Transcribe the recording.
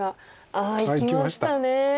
ああいきましたね。